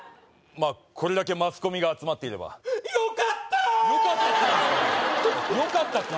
まあこれだけマスコミが集まっていればよかった！